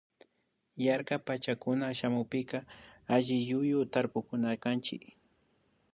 Yarkak pachacunan shamunpika alliyuyu tarpunakanchik